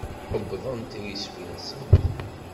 Uwḍent s iswi-nsent.